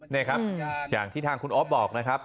นี่ครับอย่างที่ทางคุณอ๊อฟบอกนะครับ